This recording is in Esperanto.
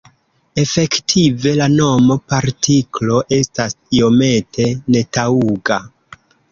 Efektive, la nomo "partiklo" estas iomete netaŭga.